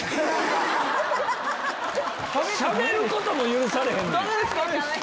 しゃべることも許されへんねや。